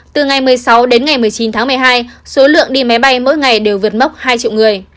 từ ngày một mươi sáu đến ngày một mươi chín tháng một mươi hai số lượng đi máy bay mỗi ngày đều vượt mốc hai triệu người